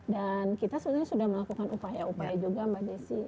dan kita sudah melakukan upaya upaya juga mbak desy